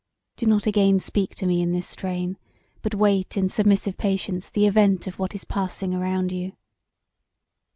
Do not again speak to me in this strain; but wait in submissive patience the event of what is passing around you."